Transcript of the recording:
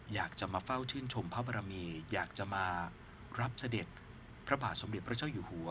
อยากจะมาเฝ้าชื่นชมพระบรมีอยากจะมารับเสด็จพระบาทสมเด็จพระเจ้าอยู่หัว